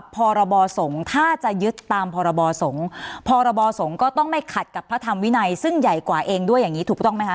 พรบสงฆ์ถ้าจะยึดตามพรบสงฆ์พรบสงฆ์ก็ต้องไม่ขัดกับพระธรรมวินัยซึ่งใหญ่กว่าเองด้วยอย่างนี้ถูกต้องไหมคะ